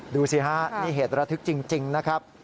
ดูสิฮะนี่เหตุระทึกจริงนะครับ